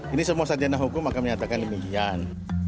ini semua saat janda hukum maka menyatakan demikian